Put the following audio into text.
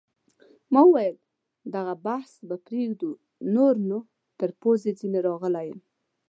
ما وویل: دغه بحث به پرېږدو، نور نو تر پزې ځیني راغلی یم.